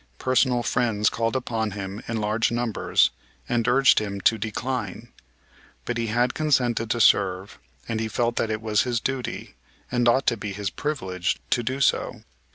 Personal friends called upon him in large numbers and urged him to decline. But he had consented to serve, and he felt that it was his duty, and ought to be his privilege to do so.